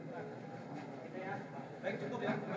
baik cukup ya